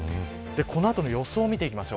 この後の予想を見ていきます。